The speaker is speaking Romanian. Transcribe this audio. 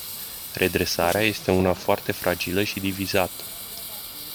Redresarea este una foarte fragilă și divizată.